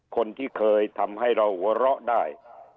คนที่เคยทำให้เราหัวเราะได้